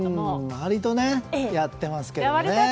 割とね、やってますけどね。